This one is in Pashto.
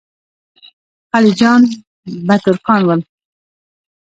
خلجیان به ترکان ول.